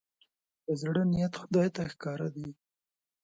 د زړه نيت خدای ته ښکاره دی.